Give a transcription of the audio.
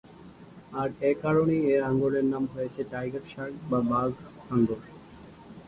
আর এ কারণেই এ হাঙ্গরের নাম হয়েছে টাইগার শার্ক বা বাঘ হাঙ্গর।